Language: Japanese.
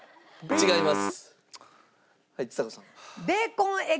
違います。